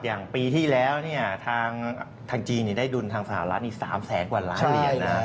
อย่างปีที่แล้วเนี่ยทางจีนได้ดุลทางสหรัฐอีก๓แสนกว่าล้านเหรียญนะ